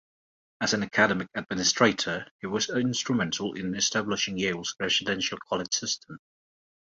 As an academic administrator, he was instrumental in establishing Yale's residential college system.